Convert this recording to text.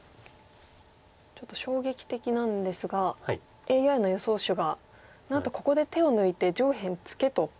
ちょっと衝撃的なんですがＡＩの予想手がなんとここで手を抜いて上辺ツケと。